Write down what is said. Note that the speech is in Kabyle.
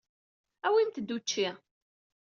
Awimt-d učči.